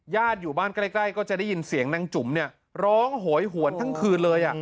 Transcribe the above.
ญาติอยู่บ้านใกล้ใกล้ก็จะได้ยินเสียงนางจุ๋มเนี่ยร้องโหอยหวนทั้งคืนเลยอ่ะ